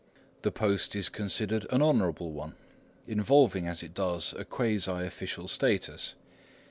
The post is considered an honourable one, involving as it does a quasi official status.